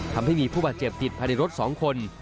ทำให้มีผู้บาดเจ็บติดภายในรถ๒คน